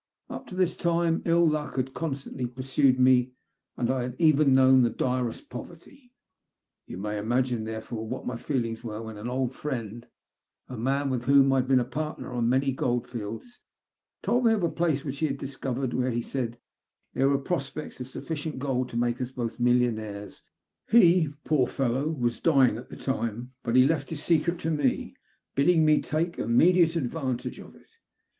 Up to this time ill luck had constantly pursued me, and I had even known the direst poverty. You may imagine, therefore, what my feelings were when an old friend, a man with whom I had been partner on many gold fields, told me of a place which he had discovered where, he said, there were prospects of sufecient gold to make us both millionaires half a dozen times over. He, poor fellow, was dying at the time, but he left his secret to me, bidding me take immediate advan I TELL MY STORY. 243 tage of it.